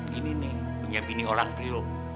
gini nih punya bini orang rio